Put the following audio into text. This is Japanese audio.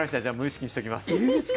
無意識にしときます。